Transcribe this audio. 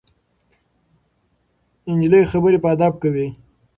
نجلۍ خبرې په ادب کوي.